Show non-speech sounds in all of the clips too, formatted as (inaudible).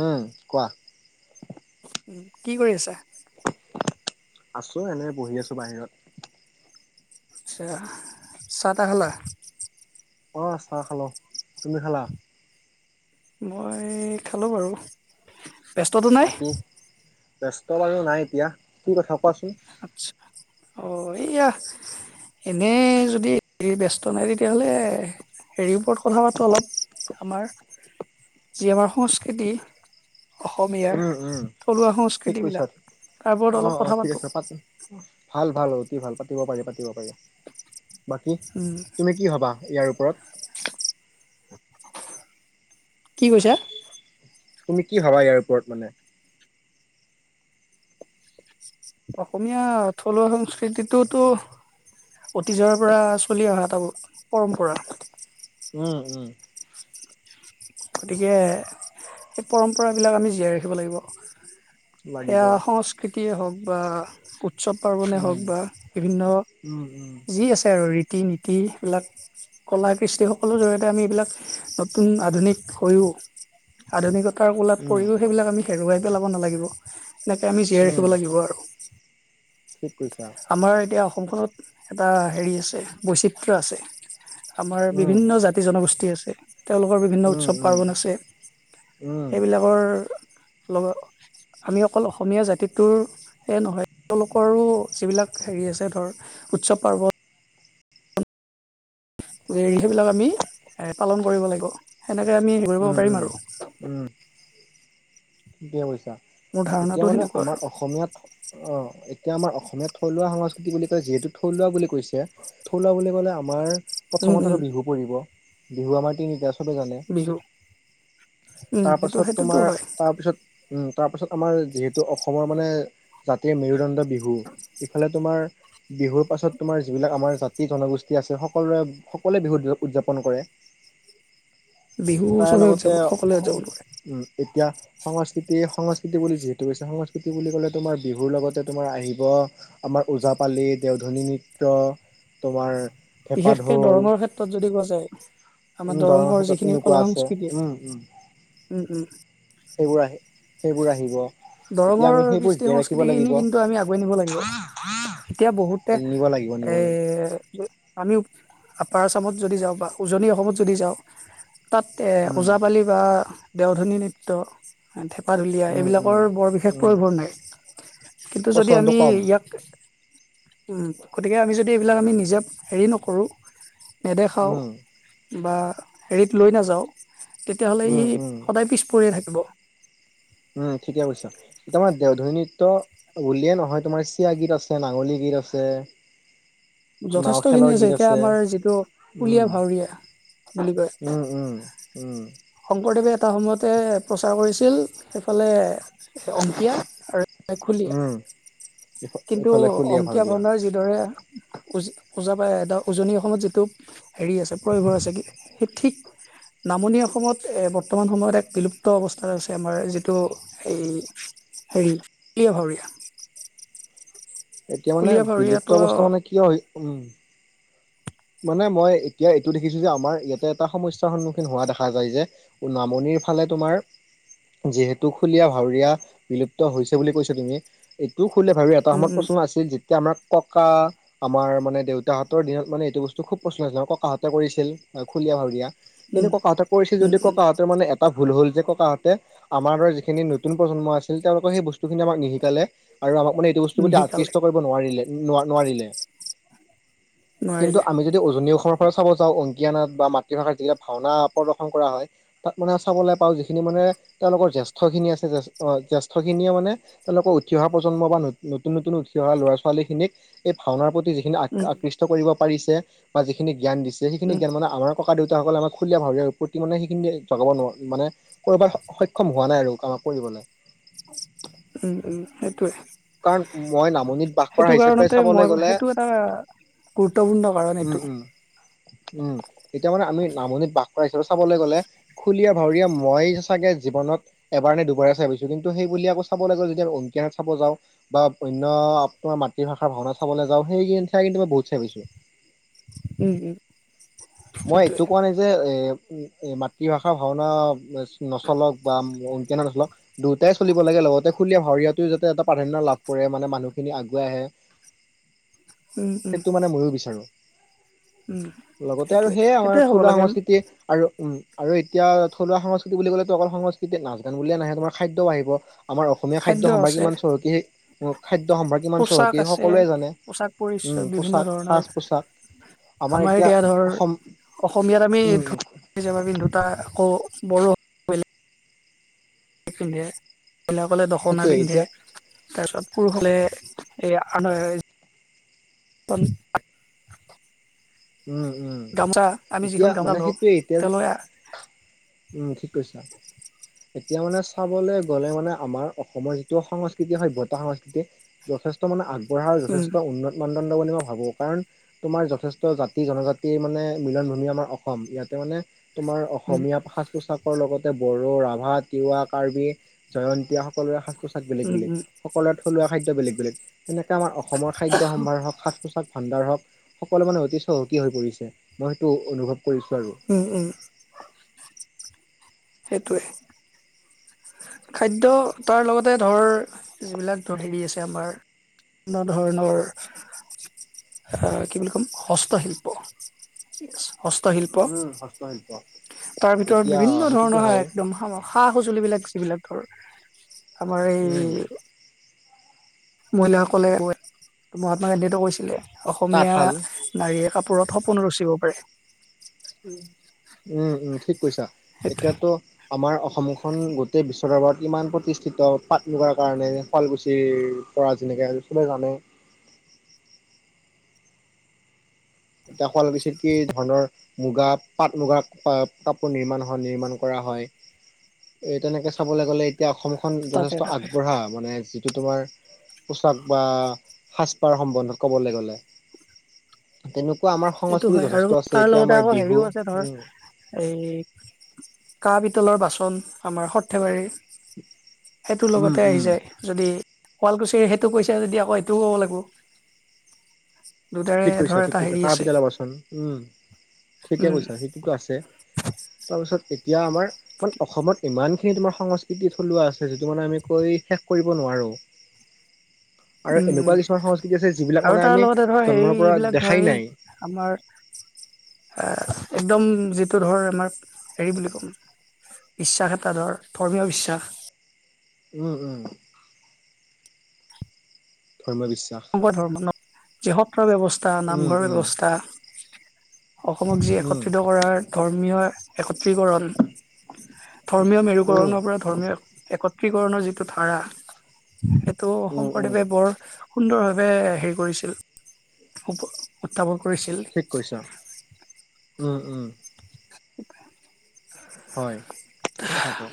উম, কোৱা উম, কি কৰি আছা আছো এনে বহি আছো বাহিৰত আচ্ছা চাহ তাহ খালা অ', চাহ খালো তুমি খালা মই খালোঁ বাৰু ব্যস্ততো নাই? বাকী ব্যস্তাৰও নাই এতিয়া কি কথা কোৱাচোন আচছা অ এইয়া এনে যদি ব্যস্ত নাই তেতিয়াহলে হেৰিৰ ওপৰত কথা পাতো অলপ আমাৰ যি আমাৰ সংস্কৃতি অসমীয়াৰ উম উম থলুৱা ঠিক কৈছা সংস্কৃতিবিলাক তাৰ ওৰত অ অলপ অ কথা ঠিক পাতো আছে ভাল ভাল অতি ভাল পাতিব পাৰি পাতিব পাৰি বাকী উম তুমি কি ভাবা ইয়াৰ ওপৰত কি কৈছা তুমি কি ভাবা ইয়াৰ ওপৰত মানে অসমীয়া থলুৱা সংস্কৃতিটোতো অতীজৰ পৰা চলি অহা এটা পৰম্পৰা। উম, উম। গতিকে সেই পৰম্পৰাবিলাক আমি জীয়াই ৰাখিব লাগিব। লাগিব সেয়া সংস্কৃতিয়ে হওঁক বা উৎসৱ - পাৰ্বণেই হওঁক উম বা বিভিন্ন উম উম যি আছে আৰু ৰীতি -নীতি সেইবিলাক কলা -কৃষ্টিসকলৰ জৰিয়তে আমি এইবিলাক নতুন আধুনিক হৈও আধুনিকতাৰ কোলাত উম পৰিও সেইবিলাক আমি হেৰুৱাই পেলাব নালাগিব। এনেকৈ আমি জীয়াই উম ৰাখিব লাগিব আৰু ঠিক কৰিছ আৰু আমাৰ এতিয়া অসমখনত এটা হেৰি আছে বৈচিত্ৰ আছে। আমাৰ উম বিভিন্ন জাতি -জনগোষ্ঠী আছে। তেওঁলোকৰ বিভিন্ন উম উৎসৱ উম -পাৰ্বণ আছে উম সেইবিলাকৰ লগত আমি অকল অসমীয়া জাতিটোৰ নহয় তেওঁলোকৰো যিবিলাক হেৰি আছে ধৰ উৎসৱ পাৰ্বন সেইবিলাক আমি পালন কৰিব লাগিব সেনেকৈ আমি হ কৰিব উম পাৰিম উম আৰু উম, ঠিকে কৈছা মোৰ এতিয়া ধাৰণাটো মানে সেনেকুৱা আৰু আমাৰ অসমীয়াত অ' এতিয়া আমাৰ অসমীয়াত থলুৱা সংস্কৃতি বুলি কয় যিহেতু থলুৱা বুলি কৈছে থলুৱা বুলি ক'লে আমাৰ উম উম প্ৰথমত বিহু বিহু আমাৰ তিনিটা চবে জানে বি (unintelligible) তাৰপাছত তোমাৰ তাৰপিছত তাৰপাছত আমাৰ যিহেতু অসমৰ মানে জাতিয় মেৰুদণ্ড বিহু ইফালে তোমাৰ বিহুৰ পাছত তোমাৰ যিবিলাক আমাৰ জাতি জনগোষ্ঠী আছে সকলোৰে সকলোৱে বিহু উদযাপন কৰে। বিহু তাৰ চবে উদযাব লগতে সকলোৱে উদযাপন কৰে উ এতিয়া সংস্কৃতি, সংস্কৃতি বুলি যিহেতু কৈছে সংস্কৃতি বুলি ক'লে তোমাৰ বিহুৰ লগতে তোমাৰ আহিব। আমাৰ ওজাপালি দেওধনী নৃত্য তোমাৰ ঢেপা বিশেষকে ঢোল দৰঙৰ ক্ষেত্ৰত যদি কোৱা যায় আমাৰ উম দৰঙৰ ক্ষেত্ৰত যিখিনি তেনেকুৱা কলা সং আছে উম, সেইবোৰ আহ সেইবোৰ আহিব। ধৰ্ম এতিয়া আমি সেইবোৰ কৃষ্টি জীয়াই ৰাখিব সংস্কৃতি লাগিব খিনি কিন্তু আমি আগুৱাই নিব লাগিব এতিয়া বহুতে নিব লাগিব নিব লাগিব এ'। আমি আপাৰ আছামত যদি যাওঁ বা উজনি অসমত যদি যাওঁ তাত এ উম ওজাপালি বা দেওধনী নৃত্য উম (unintelligible) উম বৰ বিশেষ উম প্ৰয়োভন নাই কিন্তু যদি প্ৰচলনটো আমি কম ইয়াক গতিকে আমি যদি এইবিলাক আমি নিজে হেৰি নকৰোঁ নেদেখাওঁ উম বা হেৰিত লৈ নাযাওঁ তেতিয়াহ'লে উম ই উম সদায় পিছ পৰিয়ে থাকিব উম ঠিকে কৈছা। তাৰমাৰ দেওধনী নৃত্য বুলিয়ে নহয় তোমাৰ চিয়া গীত আছে নাঙলী গীত আছে। নাও যথেষ্ট খিনি খেলৰ গীত আছে এতিয়া আমাৰ যিটো ঢুলীয়া উম। -ভাৱৰীয়া বুলি কয় উম, উম, উম। শংকৰদেৱে এটা সময়তে প্ৰচাৰ কৰিছিল সেইফালে অংকীয়া আৰু উম, ইফ খুলীয়া কিন্তু ইফালে খুলীয়া অংকীয়া ভাৱৰীয়া। ভাওনাৰ যি যিদৰে উজা, ওজা, উজনি অসমত যিটো হেৰি আছে প্ৰয়োভৰ আছে সেই ঠিক নামনি অসমত এ বৰ্তমান সময়ত এক বিলুপ্ত অৱস্থাত আছে আমাৰ যিটো সেই হেৰি খুলীয়া ভাৱৰীয়া। এতিয়া মানে কুলীয়া বিলুপ্ত ভাৱৰীয়াটো অৱস্থা মানে কিয়? উম। মানে মই এতিয়া এইটো দেখিছো যে আমাৰ ইয়াতে এটা সমস্যাৰ সন্মুখীন হোৱা দেখা যায় যে নামনিৰ ফালে তোমাৰ যিহেতু খুলীয়া ভাৱৰীয়া বিলুপ্ত হৈছে বুলি কৈছা তুমি এইটোও খুলীয়া ভাৱৰীয়া এটা উম সময়ত প্ৰশ্ন আছিল যিটো এতিয়া আমাৰ ককা আমাৰ মানে দেউতাহঁতৰ দিনত মানে এইটো বস্তু খুব প্ৰচ্চন্ন আছিল ককাহঁতে কৰিছিল খুলীয়া ভাৱৰীয়া উম কিন্তু উম ককাহঁতে কৰিছিল উম যদি উম ককাহঁতৰ মানে এটা ভুল হ'ল যে ককাহঁতে আমাৰে দৰে যিখিনি নতুন প্ৰজন্ম আছিল তেওঁলোকে সেই বস্তুখিনি আমাক নিশিকালে আৰু আমাক মানে এইটো বস্তুৰ প্ৰতি নিশিকালে আকৃষ্ট কৰিব নোৱাৰিলে ন নোৱাৰিলে কিন্তু নোৱাৰিলে আমি যদি উজনি অসমৰ পৰা চাব যাওঁ অংকীয়া নাট বা মাতৃভাষাত যিবিলাগ ভাওনা প্ৰদৰ্শন কৰা হয়। তাত মানে চাবলৈ পাওঁ যিখিনি মানে তেওঁলোকৰ জ্যেষ্ঠ খিনি আছে অহ জ্যেষ্ঠখিনিয়ে মানে তেওঁলোকৰ উঠি অহা প্ৰজন্মৰ বা নতুন নতুন উঠি অহা ল'ৰা ছোৱালী খিনিক এই ভাওনাৰ প্ৰতি যি আ উম আকৃষ্ট কৰিব পাৰিছে বা যিখিনি জ্ঞান দিছে সেইখিনি উম জ্ঞান মানে আমাক ককা দেউতাসকলে আমাৰ খুলীয়া ভাবে প্ৰতি মানে সেইখিনি জগাব নোৱাৰে মানে কৰ'বাত সক্ষম হোৱা নাই আৰু কাম কৰিবলে। উম উম সেইটোৱে। কাৰণ মই নামনিত বাস কৰা সেইটো হিচাপে কাৰণতে চাবলৈ মই গ'লে সেইটো এটা গুৰুত্বপূৰ্ণ কাৰণ উম এইটো উম উম এতিয়া মানে আমি নামনিত বাস কৰা হিচাপে চাবলৈ গ'লে। খুলীয়া ভাৱৰীয়া মই চাগে জীৱনত। এবাৰ নে দুবাৰে চাই পাইছোঁ কিন্তু বুলি আকৌ চাব লাগিব যেতিয়া অংকিয়াত চাব যাওঁ। বা বন্য আৰু তোমাৰ মাতৃভাষাৰ ভাওনা চাবলৈ যাওঁ সেই চাই কিন্তু মই বহুত চাই পাইছোঁ। উম উম মই সেইটোৱে এইটো কোৱা নাই। যে এ মাতৃভাষাৰ ভাওনা নচলক বা অংকীয়া নচলক দুয়োটাই চলিব লাগে লগতে খুলীয়া ভাৱৰীয়াটো যাতে এটা প্ৰাধান্য লাভ কৰে মানে মানুহখিনি আগুৱাই আহে। উম উম সেইটো মানে ময়ো বিচাৰোঁ। উম লগতে আৰু সেইটোৱে সেইয়ে আমাৰ সেইটোৱে হ'ব থলুৱা লাগে সংস্কৃতিয়ে আৰু উম আৰু এতিয়া থলুৱা সংস্কৃতি বুলি ক'লেতো অকল সংস্কৃতি নাচ গান বুলিয়ে নাহে তোমাৰ খাদ্যও আহিব। আমাৰ অসমীয়া খাদ্য সম্ভাৰ কিমান? চহকী উম খাদ্য সম্ভাৰ কিমান পোচাক চহকী আছে সকলোৱে জানে পোচাক পৰিচয় বিভিন্ন পোচাক ধৰণৰ সাজ-পোচাক। আমাৰ এতিয়া অসম অসমীয়াত আমি উম পিন্ধো দুটা আকৌ বড়ো পিন্ধে মহিলা সকলে দখনা সেইটোয়ে পিন্ধে এতিয়া তাৰপিছত পুৰুষসকলে এই উম উম গামোচা আমি এতিয়া যিখন গামোচা মানে লওঁ সেইটোৱে এতিয়া তেওঁলোকে উম ঠিক কৈছা। এতিয়া মানে চাবলৈ গ'লে মানে আমাৰ অসমৰ যিটো সংস্কৃতি সভ্যতা সংস্কৃতি যথেষ্ট মানে আগবঢ়া আৰু উম যথেষ্ট উন্নত মানদণ্ড বুলি মই ভাবো কাৰণ তোমাৰ যথেষ্ট জাতি জনজাতিৰ মানে মিলন ভূমি আমাৰ অসম ইয়াতে মানে তোমাৰ উম অসমীয়া সাংস্কৃতি পোচাকৰ লগতে বড়ো ৰাভা তিৱা কাৰ্বি জয়ন্তীয়া সকলোৰে সাজ পোচাক বেলেগ উম উম বেলেগ সকলৰে থলুৱা খাদ্য বেলেগ বেলেগ এনেকে আমাৰ অসমৰ খাদ্য সম্ভাৰ হওক সাজ পোচাক ভাণ্ডাৰ হওক সকলো মানে অতি চহকী হৈ পৰিছে মই সেইটো অনুভৱ কৰিছো আৰু। ওম ওম সেইটোৱে। খাদ্য তাৰ লগতে ধৰ যিবিলাক হেৰি আছে আমাৰ বিভিন্ন ধৰণৰ অ কি বুলি ক'ম হস্তশিল্প। হস্তশিল্প, উম হস্তশিল্প তাৰ ভিতৰত এতিয়া বিভিন্ন সেইটোতো ধৰণৰ হয় একদম সামগ সা-সজুলিবিলাক যিবিলাক ধৰ আমাৰ উম এই মহিলাসকলে ক মহাত্মা গান্ধীয়েতো কৈছিলে অসমীয়া তাঁতশাল নাৰীয়ে কাপোৰত সপোনো ৰচিব পাৰে। উম উম ঠিক কৈছা, সেইটোৱে। এতিয়াতো আমাৰ অসমখন গোটেই বিশ (unintelligible) ইমান প্ৰতিষ্ঠিত পাট মুগাৰ কাৰণে শুৱালকুছিৰ পৰা যেনেকৈ চবে জানে। এতিয়া শুৱালকুছিত কি ধৰণৰ মুগা পাট মুগাৰ কাপোৰ নিৰ্মাণ হয় নিৰ্মাণ কৰা হয়। এ তেনেকে চাবলৈ গ'লে এতিয়া অসমখন তাকে যথেষ্ট তাকে। আগবঢ়া মানে যি যিটো তোমাৰ পোচাক বা সাজপাৰ সম্বন্ধত ক'বলৈ গ'লে। তেনেকুৱা আমাৰ সেইটো সংস্কৃতি হয় আৰু যথেষ্ট আছে তাৰ এতিয়া লগতে আমাৰ আকৌ বিহু হেৰিও আছে ধৰ উম এই কাঁহ পিতলৰ বাচন আমাৰ সৰ্থেবাৰীৰ। সেইটো উম লগতে আহি উম যায় যদি শুৱালকুছি সেইটো কৈছা যদি আকৌ সেইটোও ক'ব লাগিব। দুটাৰে ঠিক কৈছা ধৰ ঠিক এটা কৈছা হেৰি আছে কাঁহ-পিতলৰ বাচন উম ঠিকে উম কৈছা সেইটোতো আছে। তাৰপিছত এতিয়া আমাৰ অসমত ইমানখিনি তোমাৰ সংস্কৃতি থলুৱা আছে যিটো মানে আমি কয় শেষ কৰিব নোৱাৰো। (inaudible) আৰু উম উম এনেকুৱা কিছুমান সংস্কৃতি আছে যিবিলাক আৰু মানে তাৰ আমি লগতে ধৰ হেৰি জন্মৰ পৰা এইবিলাক দেখাই ধৰ এই নাই আমাৰ এ একদম যিটো ধৰ আমাৰ হেৰি বুলি ক'ম। বিশ্বাস এটা ধৰ ধৰ্মীয় বিশ্বাস। উম উম ধৰ্ম বিশ (unintelligible) ধৰ্মত যি সত্ৰৰ ব্যৱস্থা উম নামঘৰ উম ব্যৱস্থা অসমক যি উম একত্ৰিত কৰাৰ ধৰ্মীয় একত্ৰিকৰণ ধৰ্মীয় উম মেৰুকৰণৰ পৰা ধৰ্মীয় একত্ৰিকণৰ যিটো ধাৰা তো উম উম শংকৰদেৱে বৰ সুন্দৰ ভাৱে হেৰি কৰিছিল। উত্থাপন কৰিছ ঠিক কৈছ, উম উম। হয় কথাটো।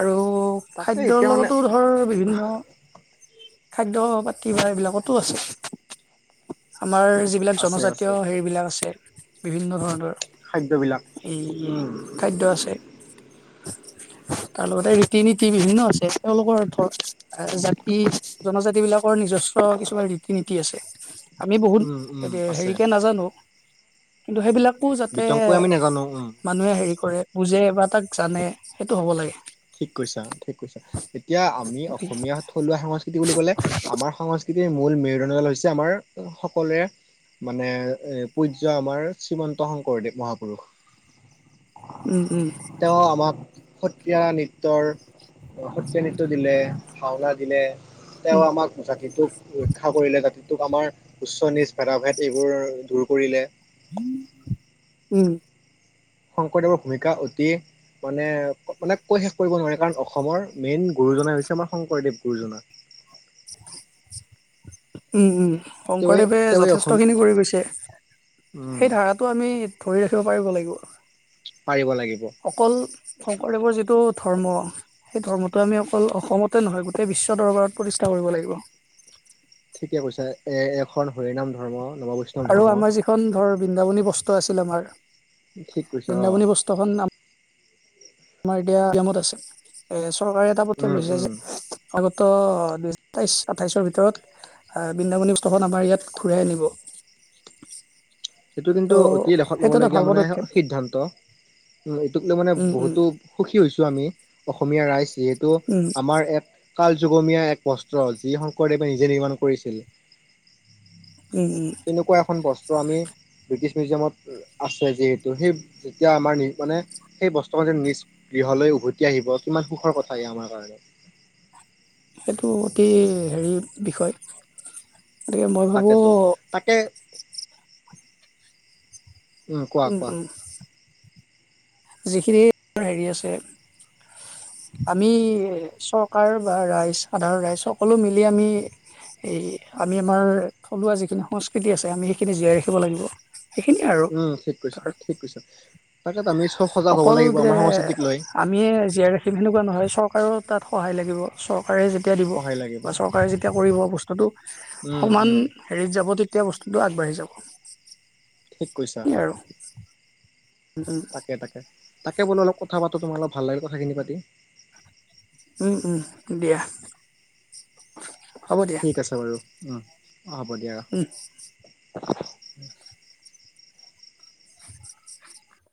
আৰু তাকে খাদ্যৰ এতিয়া মানে লগতো ধৰ বিভিন্ন খাদ্য বাতি বা এইবিলাকতো আছে, আমাৰ যি এইবিলাক আছে জনজাতীয় আছে হেৰিবিলাক আছে বিভিন্ন ধৰণৰ খাদ্যবিলাক এই উম খাদ্য আছে তাৰ লগতে ৰীতি নীতি বিভিন্ন আছে তেওঁলোকৰ ধৰ জাতি জনজাতি বিলাকৰ নিজস্ব কিছুমান ৰীতি নীতি আছে। আমি বহুত উম উম (unintelligible) আছে হেৰিকে নাজানো। কিন্তু সেইবিলাকো যাতে বিতংকৈ আমি নাজানো উম মানুহে হেৰি কৰে বুজে বা তাক জানে সেইটো হ'ব লাগে। ঠিক কৈছা, ঠিক কৈছা। এতিয়া আমি অসমীয়া থলুৱা সা কৃতি বুলি ক'লে আমাৰ সংস্কৃতিৰ মূল মেৰুদণ্ড ডাল হৈছে আমাৰ সকলোৰে মানে এ পূৰ্য্য আমাৰ শ্ৰীমন্ত শংকৰদেৱ মহাপুৰুষ উম্ উম্। তেওঁ আমাক এতিয়া নৃত্যৰ সত্ৰীয়া নৃত্য দিলে, ভাওনা দিলে। তেওঁ উম আমাক জাতিটোক ৰক্ষা কৰিলে, জাতি তোক আমাৰ উচ্চ নিজ ভেদা-ভেদ এইবোৰ দূৰ কৰিলে। উম। শংকৰদেৱৰ ভূমিকা অতি মানে মানে কৈ শেষ কৰিব নোৱাৰি কাৰণ অসমৰ মেইন গুৰুজনাই হৈছে আমাৰ শংকৰদেৱ গুৰুজনা। উম উম। তেওঁৱে শংকৰদেৱে তেওঁৱে অসম যথেষ্টখিনি কৰি গৈছে। উম সেই ধাৰাত টো আমি ধৰি ৰাখিব পাৰিব লাগিব। পাৰিব লাগিব। অকল শংকৰদেৱৰ যিটো ধৰ্ম সেই ধৰ্মটো আমি অকল অসমতে নহয়, গোটেই বিশ্ব দৰবাৰত প্ৰতিষ্ঠা কৰিব লাগিব। ঠিকে কৈছো এ এখন হৰি নাম ধৰ্ম নৱ বৈষ্ণৱ আৰু ধৰ্ম আমাৰ যিখন ধৰ বৃন্দাবনী বস্ত্ৰ আছিল আমাৰ ঠিক কৈছা অ বৃন্দাবনী বস্ত্ৰ তহন নাম আমাৰ এতিয়া গিয়ামত আছে এ চৰকাৰে এটা পদক্ষেপ উম লৈছে উম যে আগত ত' সাতাইছ আঠাইছৰ ভিতৰত বৃন্দাবন বস্ত্ৰ খন আমাৰ ইয়াত ঘূৰাই আনিব। সেইটো ত' কিন্তু অতি লেখত ল'ব সেইটো এটা ভাল লগীয়া মানে পদক্ষেপ সিদ্ধান্ত, এইটোক লৈ মানে উম উম বহুতো সুখী হৈছো আমি, অসমীয়া ৰাইজ যিহেতু উম আমাৰ এক কাল যুগমীয়া এক বস্ত্ৰ, যি শংকৰদেৱে নিজে নিৰ্মাণ কৰিছিল। এই তেনেকুৱা এখন বস্তু আমি ব্ৰিটিছ মিউজিয়ামত আছে যিহেতু, সেই যেতিয়া আমাৰ নি মানে সেই বস্ত্ৰ ম যে নিজ গৃহলৈ উভতি আহিব। কিমান সুখৰ কথা এইয়া আমাৰ কাৰণে। সেইটো অতি হেৰি বিষয়। গতিকে মই ভাবো তাকেতো তাকে কোৱা উম কোৱা ওম যিখিনি হেৰি আছে আমি চৰকাৰ বা ৰাইজ সাধাৰণ ৰাইজ সকলো মিলি আমি এই আমি আমাৰ থলুৱা যিখিনি সংস্কৃতি আছে, আমি সেইখিনি জীয়াই ৰাখিব লাগিব সেইখিনিয়ে আৰু উম' ঠিক কৈছ, ধৰ ঠিক কৈছ, তাকেতো আমি চব সজাগ হ'ব অকল লাগিব যে আমাৰ সংস্কৃতিক লৈ। আমিয়ে জীয়াই ৰাখিম সেনেকুৱা নহয়, চৰকাৰেও তাত সহায় লাগিব। চৰকাৰে যেতিয়া দিব সহায় লাগিব বা চৰকাৰে যেতিয়া কৰিব বস্তুটো উম সমান উম হেৰিত যাব তেতিয়া বস্তুটো আগবাঢ়ি যাব ঠিক কৈছা এই আৰু তাকে তাকে তাকে বোলো অলপ কথা পাতো তোমাৰ অলপ ভাল লাগিলে কথাখিনি পাতি উম উম, দিয়া। হ'ব দিয়া ঠিক আছে বাৰু, হ'ব দিয়া উম। ৰাখোঁ (inaudible)